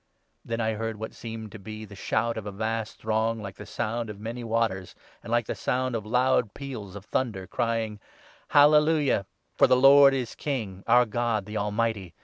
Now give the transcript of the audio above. Then I heard ' what seemed to be the shout of a vast 6 throng, like the sound of many waters,' and like the sound of loud peals of thunder, crying —' Hallelujah ! For the Lord is King, our God, the Almighty.